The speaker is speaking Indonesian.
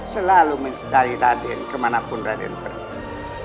selalu mencari raden kemanapun raden pergi